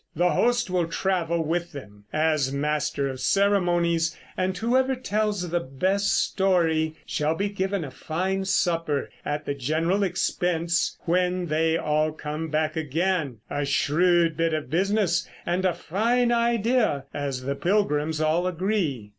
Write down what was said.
The host will travel with them as master of ceremonies, and whoever tells the best story shall be given a fine supper at the general expense when they all come back again, a shrewd bit of business and a fine idea, as the pilgrims all agree.